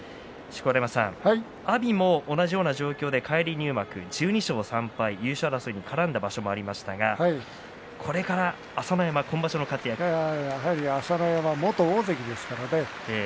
錣山さん、阿炎も同じような状況で返り入幕に１２勝３敗優勝争いに絡んだ場所もありましたがこれから朝乃山朝乃山元大関ですからね